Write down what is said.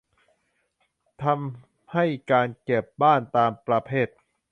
ทำให้การเก็บบ้านตามประเภท